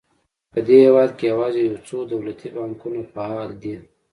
په دې هېواد کې یوازې یو څو دولتي بانکونه فعال دي.